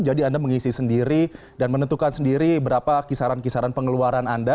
jadi anda mengisi sendiri dan menentukan sendiri berapa kisaran kisaran pengeluaran anda